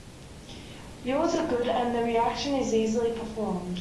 Yields are good and the reaction is easily performed.